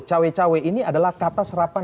cawe cawe ini adalah kata serapan